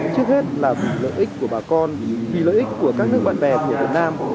trước hết là vì lợi ích của bà con vì lợi ích của các nước bạn bè của việt nam